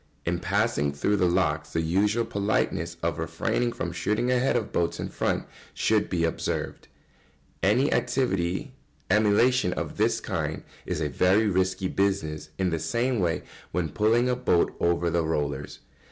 ] In passing through the locks the usual politeness of refraining from shooting ahead of boats in front should be observed. Any active emulation of this kind is a very risky business in the same way when pulling a boat over the rollers.